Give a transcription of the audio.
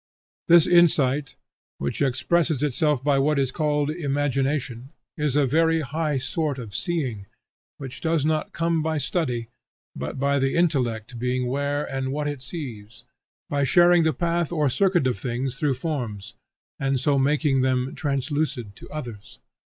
This insight, which expresses itself by what is called Imagination, is a very high sort of seeing, which does not come by study, but by the intellect being where and what it sees; by sharing the path or circuit of things through forms, and so making them translucid to others.